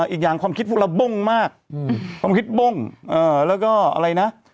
อีกอย่างความคิดพวกเราบ้งมากความคิดบ้งแล้วก็อะไรนะ